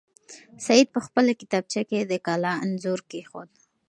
سعید په خپله کتابچه کې د کلا انځور کېښود.